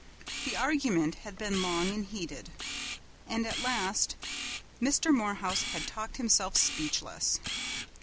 The argument had been long and heated, and at last Mr. Morehouse had talked himself speechless.